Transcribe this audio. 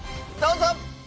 どうぞ！